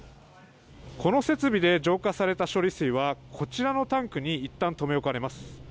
この設備で浄化された処理水はこちらのタンクにいったん留め置かれます。